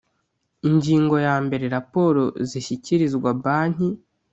Ingingo yambere Raporo zishyikirizwa Banki